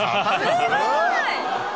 すごい！